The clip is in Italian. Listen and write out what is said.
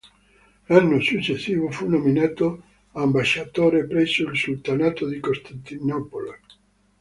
L'anno successivo fu nominato ambasciatore presso il sultano di Costantinopoli.